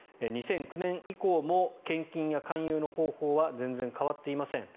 ２００９年以降も献金や勧誘の方法は全然変わっていません。